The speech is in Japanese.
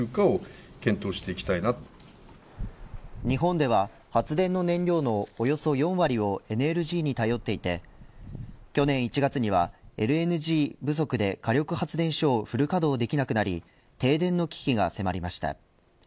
日本では発電の燃料のおよそ４割をＬＮＧに頼っていて去年１月にはＬＮＧ不足で火力発電所をフル稼働できなくなり停電の危機が迫りました。